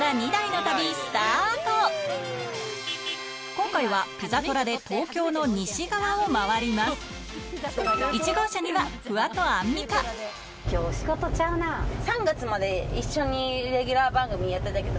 今回はピザトラで東京の西側を回りますうれしい！